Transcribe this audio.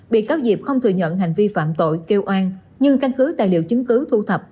bị cáo diệp không thừa nhận hành vi phạm tội kêu oan nhưng căn cứ tài liệu chứng cứ thu thập